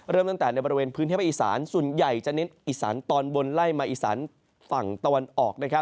เริ่มตั้งแต่ในบริเวณพื้นที่ภาคอีสานส่วนใหญ่จะเน้นอีสานตอนบนไล่มาอีสานฝั่งตะวันออก